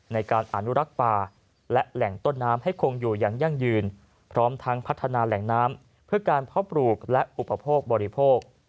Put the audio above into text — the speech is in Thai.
ในการอนุรักษ์ป่าและแหล่งต้นน้ำให้คงอยู่อย่างยั่งยืนพร้อมทั้งพัฒนาแหล่งน้ำเพื่อการเพาะปลูกและอุปโภคบริโภค